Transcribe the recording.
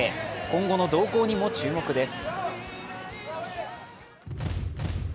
今後の動向にも注目です。